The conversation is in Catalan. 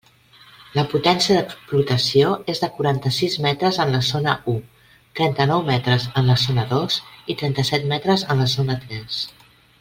La potència d'explotació és de quaranta-sis metres en la zona u, trenta-nou metres en la zona dos i trenta-set metres en la zona tres.